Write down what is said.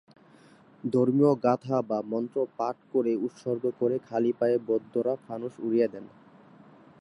ধর্মীয় গাথা বা মন্ত্র পাঠ করে উৎসর্গ করে খালি পায়ে বৌদ্ধরা ফানুস উড়িয়ে দেন।